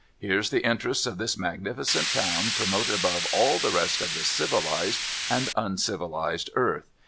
Here's the interests of this magnificent town promoted above all the rest of the civilised and uncivilised earth.